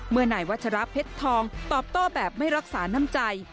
เมื่อไหนวัชราบเพชรทองตอบโต้แบบไม่รักษานำใจ